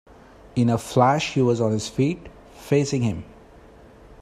In a flash he was on his feet, facing him.